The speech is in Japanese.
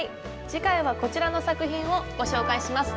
次回はこちらの作品をご紹介します。